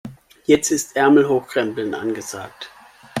Jetzt ist Ärmel hochkrempeln angesagt.